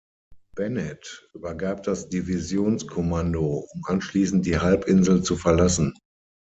Bennett übergab das Divisionskommando, um anschließend die Halbinsel zu verlassen.